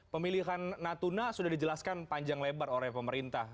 pemilihan natuna sudah dijelaskan panjang lebar oleh pemerintah